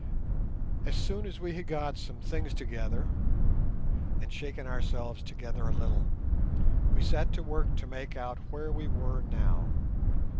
As soon as we had got some things together and shaken ourselves together a little, we set to work to make out where we were now.